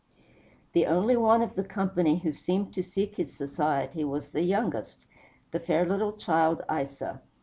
The only one of the company who seemed to seek his society was the youngest, the fair little child Isa.